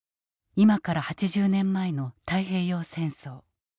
今から８０年前の太平洋戦争。